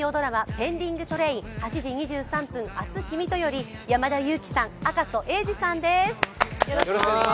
「ペンディングトレイン−８時２３分、明日君と」より、山田裕貴さん、赤楚衛二さんです。